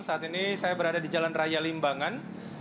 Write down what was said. saat ini saya berada di jalan raya limbangan